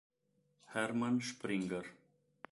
Hermann Springer